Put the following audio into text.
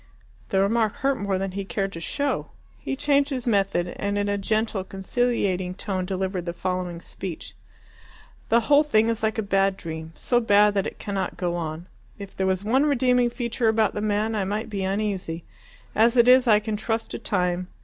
The remark hurt more than he cared to show. He changed his method, and in a gentle, conciliating tone delivered the following speech: "The whole thing is like a bad dream so bad that it cannot go on. If there was one redeeming feature about the man I might be uneasy. As it is I can trust to time.